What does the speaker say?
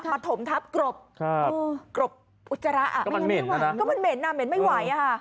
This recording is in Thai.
มาถมทับกรบอุจจาระไม่ได้ไหวก็มันเหม็นนะมันเหม็นไม่ไหวค่ะ